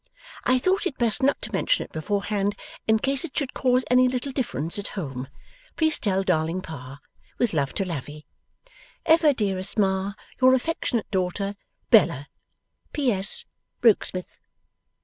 I thought it best not to mention it beforehand, in case it should cause any little difference at home. Please tell darling Pa. With love to Lavvy, Ever dearest Ma, Your affectionate daughter, BELLA (P.S. Rokesmith).